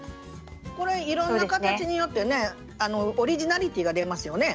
これいろんな形によってねオリジナリティーが出ますよね。